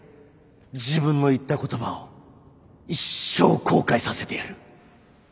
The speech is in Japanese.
自分の言った言葉を一生後悔させてやる